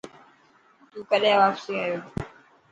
تون ڪڏهن واپسي آيو.